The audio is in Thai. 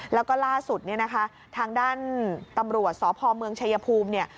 แล้วก็ล่าสุดเนี่ยนะคะทางด้านตำรวจสพเมืองชายภูมิเนี่ย